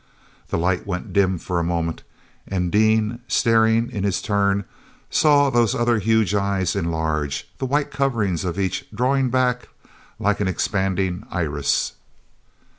The light went dim for a moment, and Dean, staring in his turn, saw those other huge eyes enlarge, the white covering of each drawing back like an expanding iris.